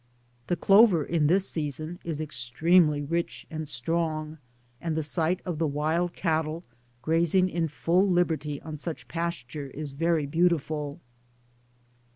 The clover in this season is extremely rich and strong ; and the sight of the wild cattle grazing in full liberty on such pasture is very beautiful.